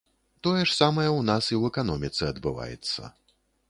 Тое ж самае ў нас і ў эканоміцы адбываецца.